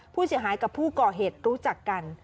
ผู้เสียหายกับผู้ก่อเหตุรู้จักกัน